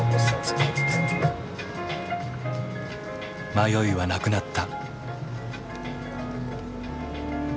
迷いはなくなった。